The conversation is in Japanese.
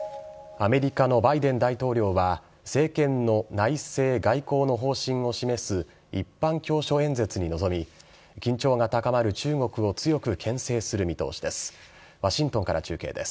アメリカのバイデン大統領は政権の内政外交の方針を示す一般教書演説に臨み緊張が高まる中国を強くけん制する見通しです。